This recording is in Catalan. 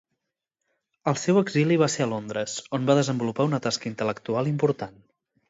El seu exili va ser a Londres, on va desenvolupar una tasca intel·lectual important.